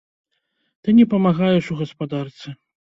Ты не памагаеш у гаспадарцы.